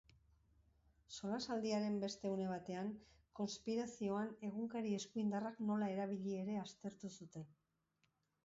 Solasaldiaren beste une batean, konspirazioan egunkari eskuindarrak nola erabili ere aztertu zuten.